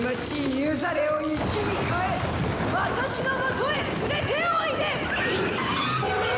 ユザレを石に変え私のもとへ連れておいで！